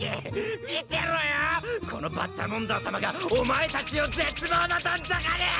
見てろよこのバッタモンダーさまがお前たちを絶望のどん底に！